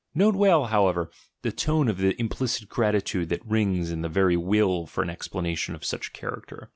Note well, however, the tone of implicit gratitude that rings in the very will for an explanation of such a character.